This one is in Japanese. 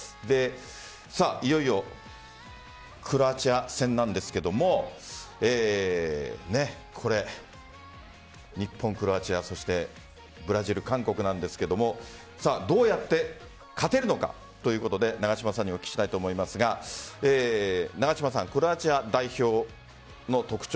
いよいよクロアチア戦なんですが日本、クロアチアそしてブラジル、韓国なんですがどうやって勝てるのかということで永島さんにお聞きしたいと思いますがクロアチア代表の特徴。